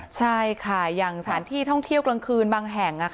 ใช่ค่ะอย่างสถานที่ท่องเที่ยวกลางคืนบางแห่ง